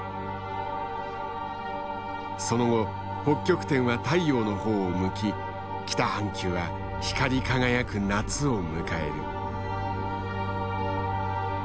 その後北極点は太陽のほうを向き北半球は光り輝く夏を迎える。